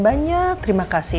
banyak terima kasih